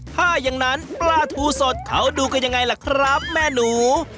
ถ้าอย่างนั้นปลาทูสดเขาดูกันยังไงล่ะครับแม่หนู